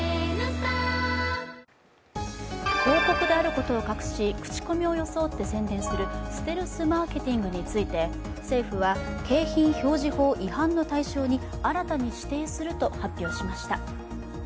広告であることを書くし、口コミ装って宣伝するステルスマーケティングについて、政府は景品表示違反の対象に新たに指定すると発表しました。